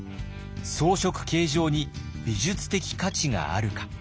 装飾形状に美術的価値があるか。